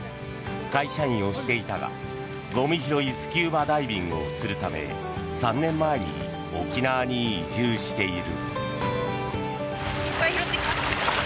会社員をしていたがゴミ拾いスキューバダイビングをするため３年前に沖縄に移住している。